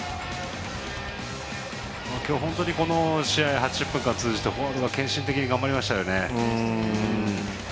今日、本当に、この試合９０分間通じてフォワードが献身的に頑張りましたよね。